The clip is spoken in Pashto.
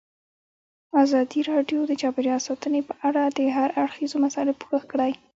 ازادي راډیو د چاپیریال ساتنه په اړه د هر اړخیزو مسایلو پوښښ کړی.